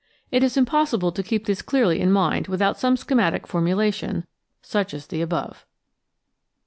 It is impossible to keep this clearly in mind without some schematic formulation, such as the above.